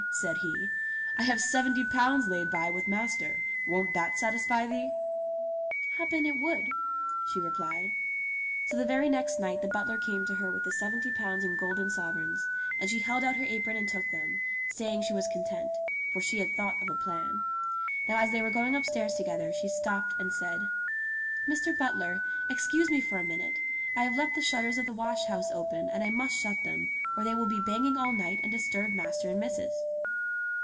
said he, "I have seventy pounds laid by with master. Won't that satisfy thee ?" "Happen it would," she replied. So the very next night the butler came to her with the THE THREE FEATHERS 65 seventy pounds in golden sovereigns, and she held out her apron and took them, saying she was content ; for she had thought of a plan. Now as they were going upstairs to gether she stopped and said : "Mr. Butler, excuse me for a minute. I have left the shutters of the wash house open, and I must shut them, or they will be banging all night and disturb master and missus